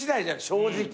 正直。